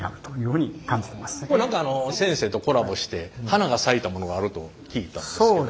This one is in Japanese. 何か先生とコラボして花が咲いたものがあると聞いたんですけど。